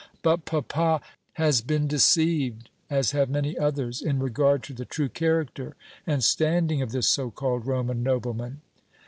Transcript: "But papa " "Has been deceived, as have many others, in regard to the true character and standing of this so called Roman nobleman."